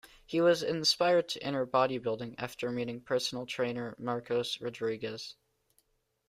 He was inspired to enter bodybuilding after meeting personal trainer Marcos Rodriguez.